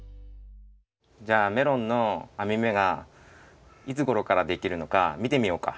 じゃあメロンのあみ目がいつごろからできるのかみてみようか。